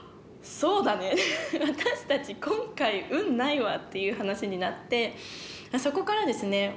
そうだね私たち今回運ないわっていう話になってそこからですね